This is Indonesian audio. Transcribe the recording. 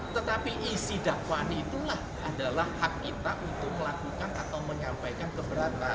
tetapi isi dakwaan itulah adalah hak kita untuk melakukan atau menyampaikan keberatan